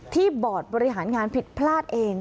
บอร์ดบริหารงานผิดพลาดเอง